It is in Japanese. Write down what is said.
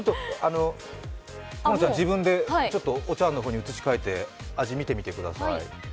このちゃん、自分でお茶わんの方に移し替えて、味を見てみてください。